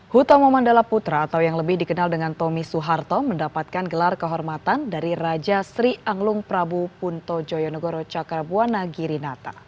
huta momandala putra atau yang lebih dikenal dengan tomi suharto mendapatkan gelar kehormatan dari raja sri anglung prabu punto joyonegoro cakrabuanagiri nata